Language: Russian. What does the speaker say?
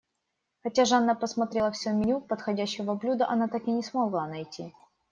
Хотя Жанна просмотрела всё меню, подходящего блюда она так и не смогла найти.